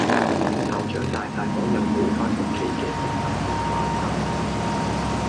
校長帶晒所有無返屋企嘅宿生去爬山